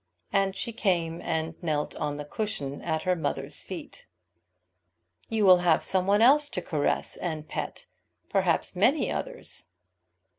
And she came and knelt on the cushion at her mother's feet. "You will have some one else to caress and pet, perhaps many others."